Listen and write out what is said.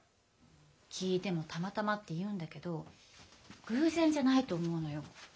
聞いてもたまたまって言うんだけど偶然じゃないと思うのよ。